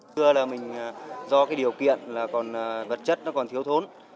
thưa là mình do cái điều kiện là còn vật chất nó còn thiếu thốn